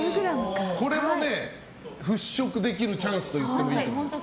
これもね払拭できるチャンスといってもいい。